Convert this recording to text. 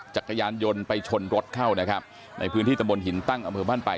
จักรยานยนต์ไปชนรถเข้านะครับในพื้นที่ตำบลหินตั้งอำเภอบ้านไผ่